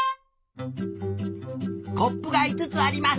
コップがいつつあります。